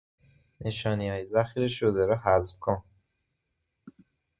نشانی های ذخیره شده را حذف کن